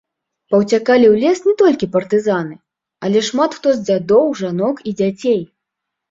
Паўцякалі ў лес не толькі партызаны, але шмат хто з дзядоў, жанок і дзяцей.